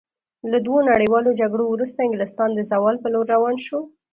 له دوو نړیوالو جګړو وروسته انګلستان د زوال په لور روان شو.